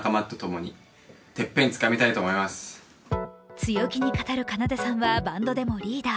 強気に語る奏さんはバンドでもリーダー。